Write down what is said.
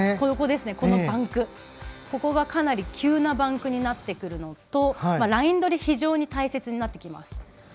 ここがかなり急なバンクになってくるのとライン取りが非常に大切になってきます。